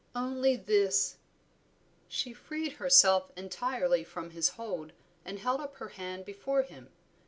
"Only this." She freed herself entirely from his hold and held up her hand before him.